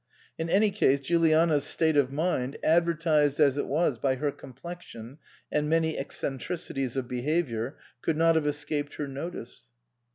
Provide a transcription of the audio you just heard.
In any case Juliana's state of mind, advertised as it was by her complexion and many eccentricities of behaviour, could not have escaped her notice.